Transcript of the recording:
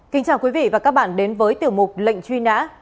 kính chào quý vị và các bạn đến với tiểu mục lệnh truy nã